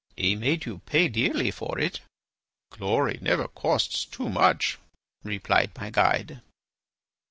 "He made you pay dearly for it!" "Glory never costs too much," replied my guide.